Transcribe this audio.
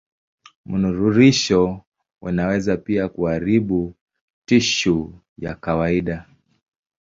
Mnururisho unaweza pia kuharibu tishu ya kawaida.